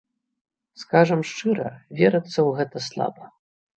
Скажам шчыра, верыцца ў гэта слаба.